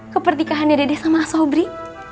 kepertikahan dede sama asobri